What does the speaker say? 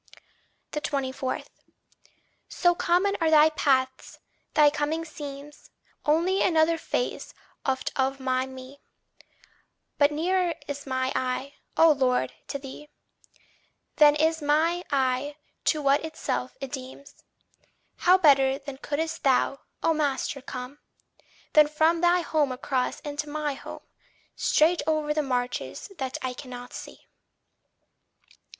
24. So common are thy paths, thy coming seems Only another phase oft of my me; But nearer is my I, O Lord, to thee, Than is my I to what itself it deems; How better then couldst thou, O master, come, Than from thy home across into my home, Straight o'er the marches that I cannot see!